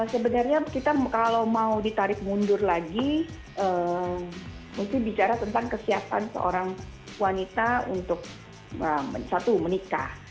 sebenarnya kita kalau mau ditarik mundur lagi mungkin bicara tentang kesiapan seorang wanita untuk satu menikah